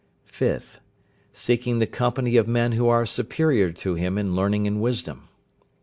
5th. Seeking the company of men who are superior to him in learning and wisdom.